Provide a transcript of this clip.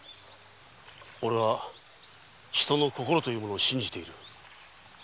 おれは人の心というものを信じている。